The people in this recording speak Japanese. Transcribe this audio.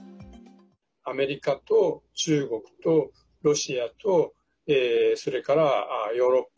アメリカと、中国とロシアとそれからヨーロッパ。